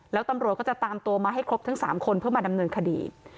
แล้วตำรวจก็จะตามตัวมาให้ครบทั้ง๓คนเพื่อมาดำเนินคดี